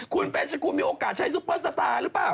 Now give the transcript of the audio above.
คุณเบสกุลมีโอกาสใช้ซุปเปอร์สตาร์หรือเปล่า